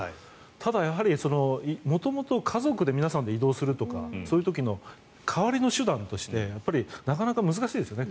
ただ、元々家族で皆さんで移動するとかそういう時の代わりの手段としてなかなか難しいですよね。